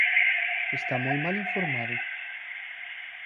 Está moi mal informado.